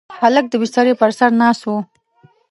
هلک د بسترې پر سر ناست و.